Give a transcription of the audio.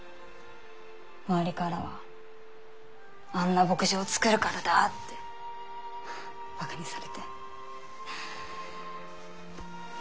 周りからはあんな牧場を作るからだってバカにされて。